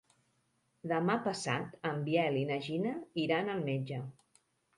Demà passat en Biel i na Gina iran al metge.